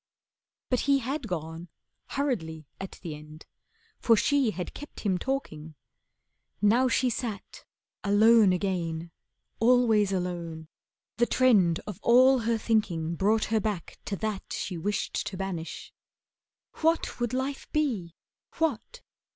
But he had gone, hurriedly at the end, For she had kept him talking. Now she sat Alone again, always alone, the trend Of all her thinking brought her back to that She wished to banish. What would life be? What?